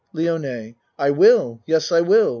LIONE I will. Yes, I will.